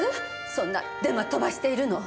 そんなデマ飛ばしているの！